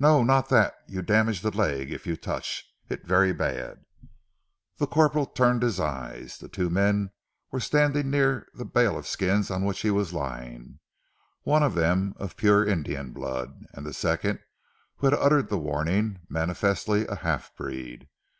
"No. Not dat! You damage ze leg, if you touch. It vaire bad!" The corporal turned his eyes. The two men were standing near the bale of skins on which he was lying, one of them of pure Indian blood, and the second, who had uttered the warning, manifestly a half breed.